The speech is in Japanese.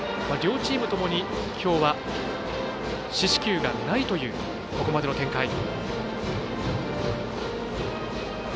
両チームともにきょうは、四死球がないというここまでの展開。